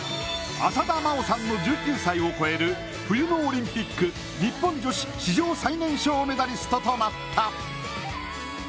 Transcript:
浅田真央さんの１９歳を超える冬のオリンピック日本女子史上最年少メダリストとなった。